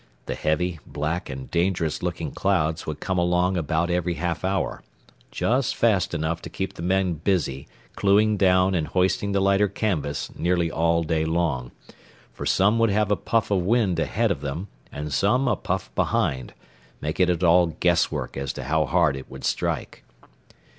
The heavy, black, and dangerous looking clouds would come along about every half hour, just fast enough to keep the men busy clewing down and hoisting the lighter canvas nearly all day long, for some would have a puff of wind ahead of them and some a puff behind, making it all guesswork as to how hard it would strike.